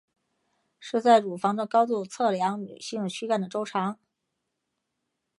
是在乳房的高度测量女性躯干的周长。